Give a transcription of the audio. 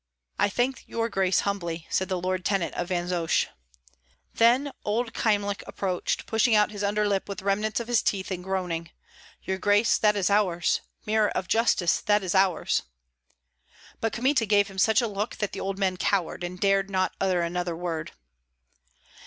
"I thank your grace humbly," said the lord tenant of Vansosh. Then old Kyemlich approached, pushing out his underlip with the remnants of his teeth, and groaning, "Your grace, that is ours. Mirror of justice, that is ours." But Kmita gave him such a look that the old man cowered, and dared not utter another word.